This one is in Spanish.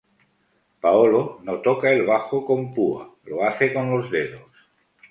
Paolo no toca el bajo con púa, lo hace con los dedos.